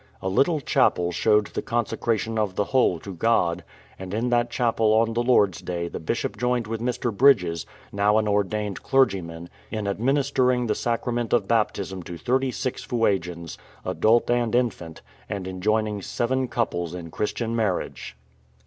A little chapel showed the consecration of the whole to God, and in that chapel on the Lord's Day the Bishop joined with Mr. Bridges — now an ordained clergyman — in administering the sacrament of Baptism to thirty six Fuegians, adult and infant, and in joining seven couples in Christian marriage.